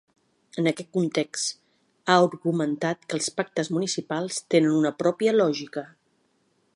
En aquest context, ha argumentat que els pactes municipals tenen una pròpia lògica.